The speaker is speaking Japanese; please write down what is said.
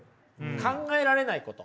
「考えられないこと」